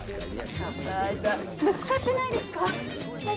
ぶつかってないですか？